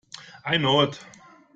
I knew it!